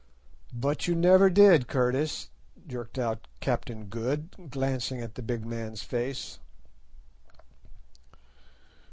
"But you never did, Curtis," jerked out Captain Good, glancing at the big man's face.